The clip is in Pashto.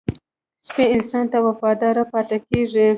سپي انسان ته وفاداره پاتې کېږي.